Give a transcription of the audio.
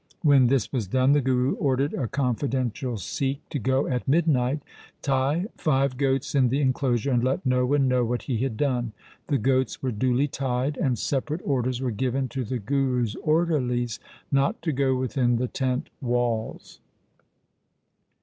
When this was done, the Guru ordered a confidential Sikh to go at midnight, tie five goats in the enclosure, and let no one know what he had done. The goats were duly tied, and separate orders were given to the Guru's orderlies not to go within the tent walls.